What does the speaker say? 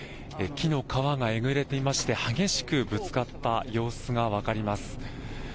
木の皮がえぐれていまして、激しくぶつかった様子が分かります。